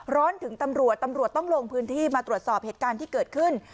ร้อนถึงตำรวจตำรวจต้องลงพื้นที่มาตรวจสอบเหตุการณ์ที่เกิดขึ้น